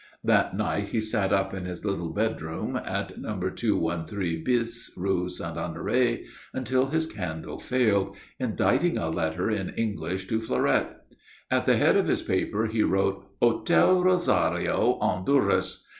That night he sat up in his little bedroom at No. 213 bis, Rue Saint Honoré, until his candle failed, inditing a letter in English to Fleurette. At the head of his paper he wrote "Hotel Rosario, Honduras."